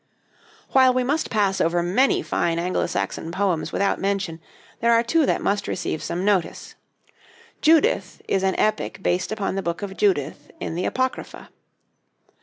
While we must pass over many fine Anglo Saxon poems without mention, there are two that must receive some notice. 'Judith' is an epic based upon the book of Judith in the 'Apocrypha.'